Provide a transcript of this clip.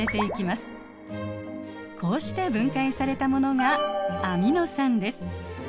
こうして分解されたものがアミノ酸です。